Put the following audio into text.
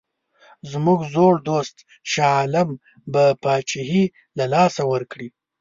زموږ زوړ دوست شاه عالم به پاچهي له لاسه ورکړي.